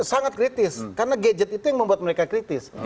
sangat kritis karena gadget itu yang membuat mereka kritis